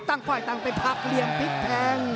ตั้งไหว้ตั้งไปผักเรียมพลิกแทง